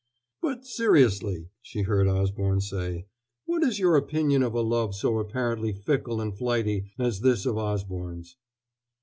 "But seriously," she heard Osborne say, "what is your opinion of a love so apparently fickle and flighty as this of Osborne's?"